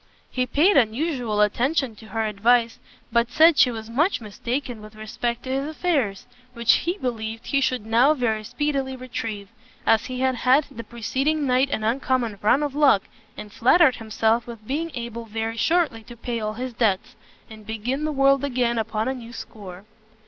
He paid unusual attention to her advice, but said she was much mistaken with respect to his affairs, which he believed he should now very speedily retrieve, as he had had the preceding night an uncommon run of luck, and flattered himself with being able very shortly to pay all his debts, and begin the world again upon a new score.